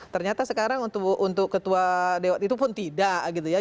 ternyata sekarang untuk ketua dewan itu pun tidak gitu ya